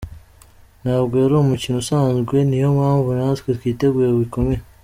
Ntabwo ari umukino usanzwe, ni yo mpamvu natwe twiteguye bikomeye.